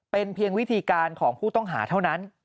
เป็นเพียงวิธีการของผู้ต้องหาเท่านั้น